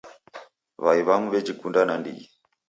W'ai w'amu w'ejikunda nandighi.